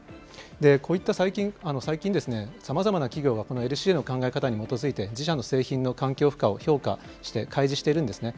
最近、さまざまな企業がこのＬＣＡの考え方に基づいて、自社の製品の環境負荷を評価して、開示しているんですね。